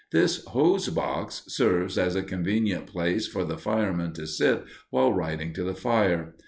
This "hose box" serves as a convenient place for the firemen to sit while riding to the fire.